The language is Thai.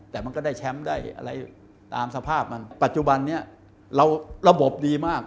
แต่มันก็ได้แชมป์ได้อะไรตามสภาพมันปัจจุบันนี้เราระบบดีมาก